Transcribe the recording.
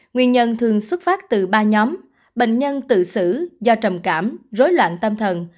nguyên nhân thường xuất phát từ ba nhóm bệnh nhân tự xử do trầm cảm rối loạn tâm thần